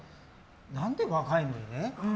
何で若いのにね